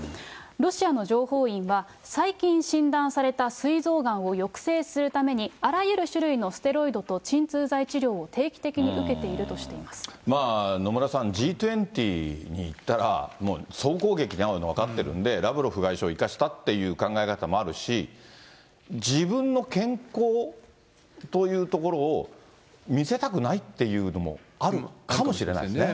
ロシアの情報員は、最近診断されたすい臓がんを抑制するために、あらゆる種類のステロイドと鎮痛剤治療を定期的に受けているとし野村さん、Ｇ２０に行ったら、もう総攻撃に遭うのは分かってるんで、ラブロフ外相を行かしたっていう考え方もあるし、自分の健康というところを見せたくないっていうのもあるかもしれそうですね。